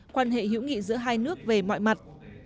quan hệ hữu nghị giữa hai nước về mọi mặt